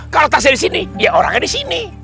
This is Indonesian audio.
kalau tasnya di sini ya orangnya di sini